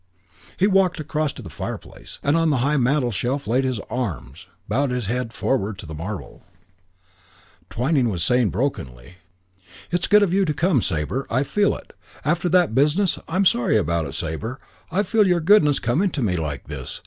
He walked across to the fireplace; and on the high mantle shelf laid his arms and bowed his forehead to the marble. Twyning was brokenly saying, "It's good of you to come, Sabre. I feel it. After that business. I'm sorry about it, Sabre. I feel your goodness coming to me like this.